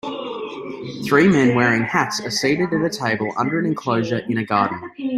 Three men wearing hats are seated at a table under an enclosure in a garden.